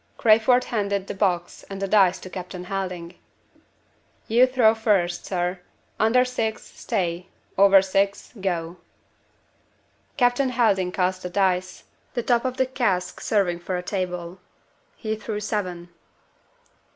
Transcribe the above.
Crayford handed the box and the dice to Captain Helding. "You throw first, sir. Under six, 'Stay.' Over six, 'Go.'" Captain Helding cast the dice; the top of the cask serving for a table. He threw seven.